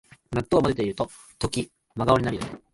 納豆をまぜてるとき真顔になるよね